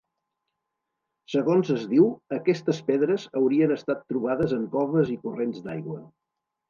Segons es diu, aquestes pedres haurien estat trobades en coves i corrents d'aigua.